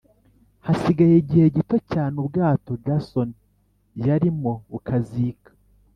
hasigaye igihe gito cyane Ubwato Jason yarimo bukazika